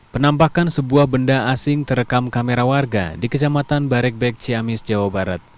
penampakan sebuah benda asing terekam kamera warga di kecamatan barekbek ciamis jawa barat